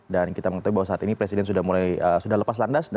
dan kita mengatakan bahwa saat ini presiden sudah lepas landas